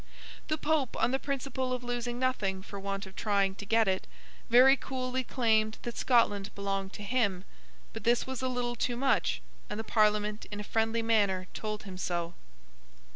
The Pope, on the principle of losing nothing for want of trying to get it, very coolly claimed that Scotland belonged to him; but this was a little too much, and the Parliament in a friendly manner told him so.